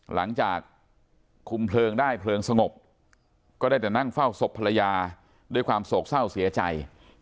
หลังจากคุมเพลิงได้เพลิงสงบก็ได้แต่นั่งเฝ้าศพภรรยาด้วยความโศกเศร้าเสียใจ